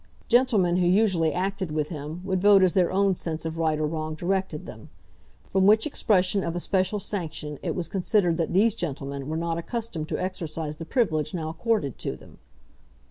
Gentlemen who usually acted with him would vote as their own sense of right or wrong directed them; from which expression of a special sanction it was considered that these gentlemen were not accustomed to exercise the privilege now accorded to them.